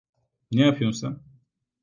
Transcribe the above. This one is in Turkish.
Ne yapıyorsun sen?